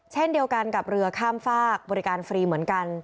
เช่นเดียวกันกับเรือข้ามฝากบริการฟรีเหมือนกัน